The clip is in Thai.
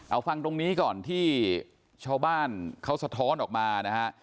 เอาฟังตรงนี้ก่อนที่ชาวบ้านเขาสะท้อนออกมานะฮะ